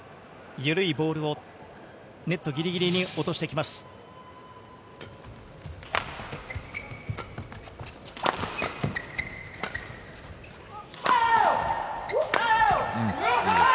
ゆるいボールをネットぎりぎりに落としてきます。